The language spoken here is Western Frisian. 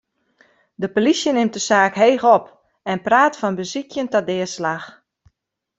De polysje nimt de saak heech op en praat fan besykjen ta deaslach.